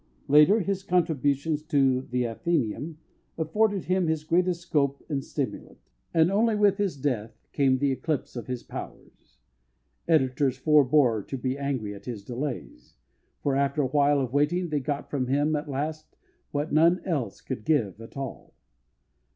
Later, his contributions to The Athenæum afforded him his greatest scope and stimulant; and only with his death came the eclipse of his powers. Editors forbore to be angry at his delays, for, after a while of waiting, they got from him, at last, what none else could give at all.